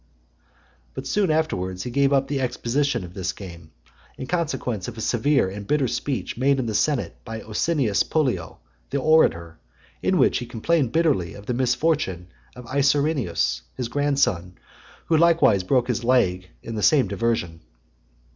But soon afterwards he gave up the exhibition of this game, in consequence of a severe and bitter speech made in the senate by Asinius Pollio, the orator, in which he complained bitterly of the misfortune of Aeserninus, his grandson, who likewise broke his leg in the same diversion.